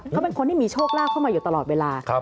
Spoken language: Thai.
เขาเป็นคนที่มีโชคลาภเข้ามาอยู่ตลอดเวลา